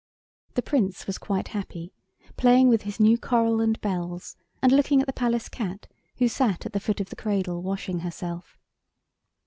The Prince was quite happy, playing with his new coral and bells, and looking at the Palace cat, who sat at the foot of the cradle washing herself.